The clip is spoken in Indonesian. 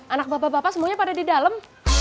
anak bapak bapak semuanya pada di dalam